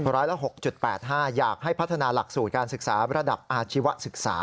ละ๖๘๕อยากให้พัฒนาหลักสูตรการศึกษาระดับอาชีวศึกษา